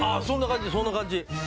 そんな感じそんな感じ